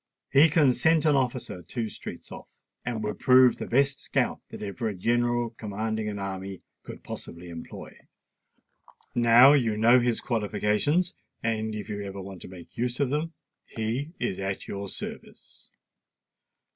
He can scent an officer two streets off, and would prove the best scout that ever a general commanding an army could possibly employ. Now you know his qualifications; and if you ever want to make use of them, he is at your service."